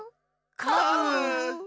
カブ。